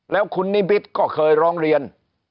แล้วคุณนิมิตรก็เคยร้องเรียน